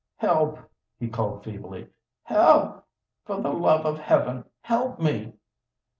"Help!" he called feebly. "Help! For the love of Heaven, help me!"